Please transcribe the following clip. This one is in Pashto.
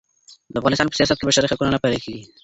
د افغانستان په سیاست کي بشري حقونه نه پلي کیږي.